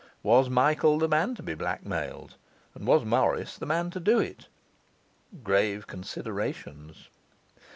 Was Michael the man to be blackmailed? and was Morris the man to do it? Grave considerations.